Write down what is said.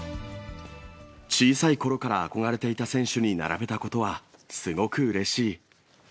小さいころから憧れていた選手に並べたことはすごくうれしい。